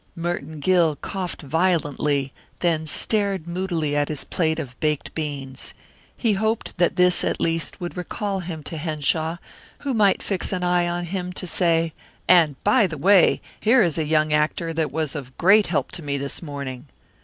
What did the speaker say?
Merton Gill coughed violently, then stared moodily at his plate of baked beans. He hoped that this, at least, would recall him to Henshaw who might fix an eye on him to say: "And, by the way, here is a young actor that was of great help to me this morning."